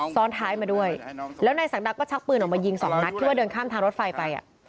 ซ้อนท้ายมาด้วยแล้วนายศักดาก็ชักปืนออกมายิงสองนัดที่ว่าเดินข้ามทางรถไฟไป